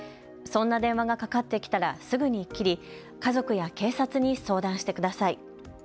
そんな電話がかかってきたらすぐに切り家族や警察に相談してください。